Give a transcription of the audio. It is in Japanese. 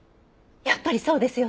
やっぱりそうですよね。